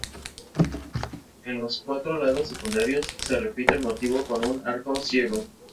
En los cuatro lados secundarios se repite el motivo con un arco ciego.